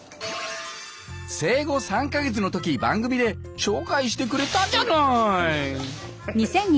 生後３か月の時番組で紹介してくれたじゃない！